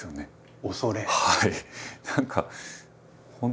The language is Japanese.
はい。